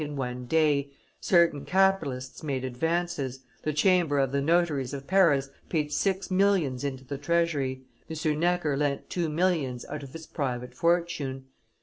in one day, certain capitalists made advances, the chamber of the notaries of Paris paid six millions into the treasury, M. Necker lent two millions out of his private fortune.